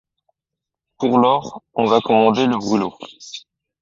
Pour lors, on va commander le brûlot.